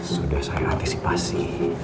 sudah saya antisipasi